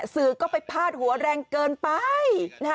สื่อก็ไปพาดหัวแรงเกินไป